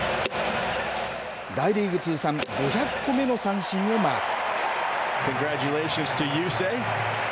大リーグ通算５００個目の三振をマーク。